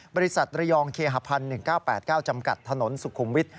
บริษัทระยองเคหพันธ์๑๙๘๙จำกัดถนนสุขุมวิทย